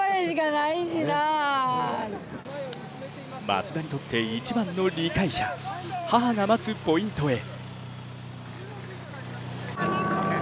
松田にとって一番の理解者、母が待つポイントへ。